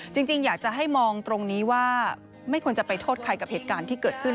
จริงอยากจะให้มองตรงนี้ว่าไม่ควรจะไปโทษใครกับเหตุการณ์ที่เกิดขึ้น